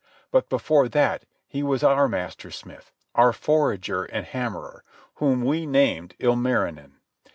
But before that he was our master smith, our forger and hammerer, whom we named Il marinen.